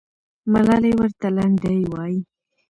ملالۍ ورته لنډۍ وایي.